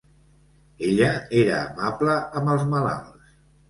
Ella era amable amb els malalts.